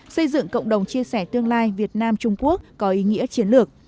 xây dựng cộng đồng chia sẻ tương lai việt nam trung quốc có ý nghĩa chiến lược